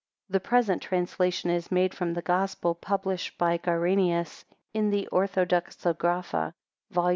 The present translation is made from the Gospel, published by Grynaeus in the Orthodoxographa, vol.